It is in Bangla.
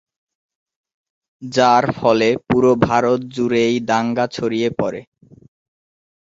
যার ফলে পুরো ভারত জুড়েই দাঙ্গা ছড়িয়ে পড়ে।